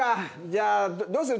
じゃあどうする？